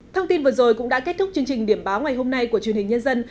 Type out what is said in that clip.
thông tin vừa rồi cũng đã kết thúc chương trình điểm báo ngày hôm nay của truyền hình nhân dân